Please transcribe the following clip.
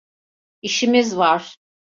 İşimiz var.